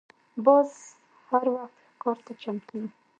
باز هر وخت ښکار ته چمتو وي